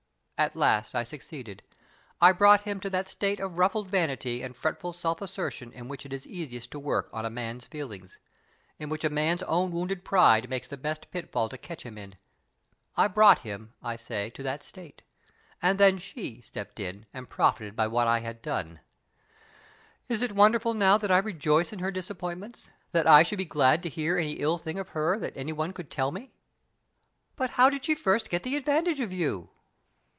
At last I succeeded. I brought him to that state of ruffled vanity and fretful self assertion in which it is easiest to work on a man's feelings in which a man's own wounded pride makes the best pitfall to catch him in. I brought him, I say, to that state, and then she stepped in and profited by what I had done. Is it wonderful now that I rejoice in her disappointments that I should be glad to hear any ill thing of her that any one could tell me?" "But how did she first get the advantage of you?"